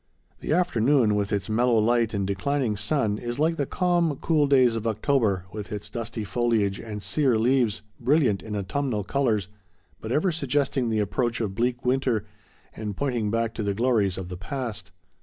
The afternoon, with its mellow light and declining sun, is like the calm, cool days of October, with its dusty foliage and sear leaves, brilliant in autumnal colors, but ever suggesting the approach of bleak winter, and pointing back to the glories of the past.